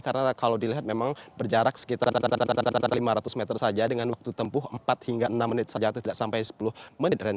karena kalau dilihat memang berjarak sekitar lima ratus meter saja dengan waktu tempuh empat hingga enam menit saja atau tidak sampai sepuluh menit